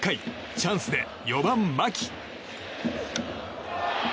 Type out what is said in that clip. チャンスで４番、牧。